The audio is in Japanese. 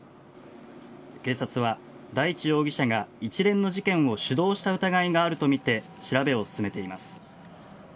警察は、大地容疑者が一連の事件を主導した疑いがあるとみて調べを進めています。